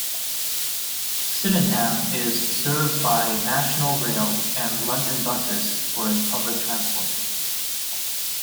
Sydenham is served by National Rail and London Buses for its public transport.